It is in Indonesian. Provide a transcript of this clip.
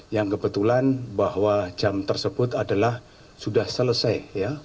yang kebetulan bahwa jam tersebut adalah sudah selesai